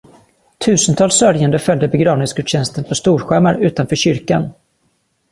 Tusentals sörjande följde begravningsgudstjänsten på storskärmar utanför kyrkan.